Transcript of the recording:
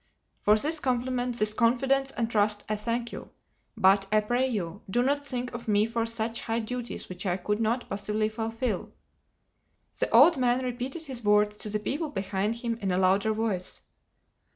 For this compliment, this confidence and trust, I thank you. But, I pray you, do not think of me for such high duties which I could not possibly fulfil." The old man repeated his words to the people behind him in a louder voice.